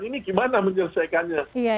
ini gimana menyelesaikannya